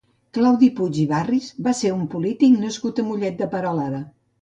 Claudi Puig i Barris va ser un polític nascut a Mollet de Peralada.